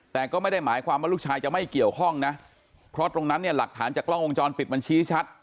แต่ก็ไม่ได้หมายความว่าลูกชายจะไม่เกี่ยวข้องนะเพราะตรงนั้นเนี่ยหลักฐานจากกล้องวงจรปิดมันชี้ชัด